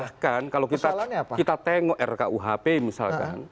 bahkan kalau kita tengok rkuhp misalkan